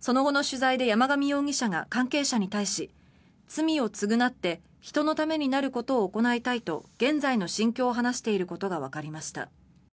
その後の取材で山上容疑者が関係者に対し罪を償って人のためになることを行いたいと現在の心境を話していることがわかりました。